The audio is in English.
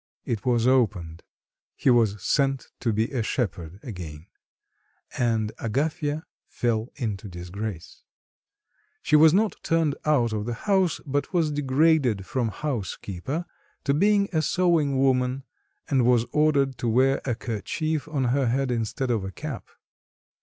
It was opened. He was sent to be a shepherd again, and Agafya fell into disgrace. She was not turned out of the house, but was degraded from housekeeper to being a sewing woman and was ordered to wear a kerchief on her head instead of a cap.